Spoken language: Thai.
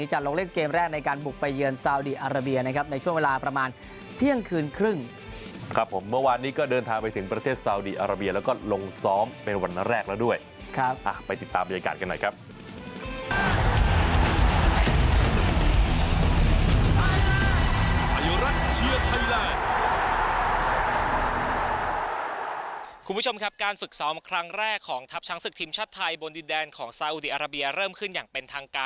เหลืออีกเพียงแค่วันเดียวพรุ่งนี้นะครับอ่า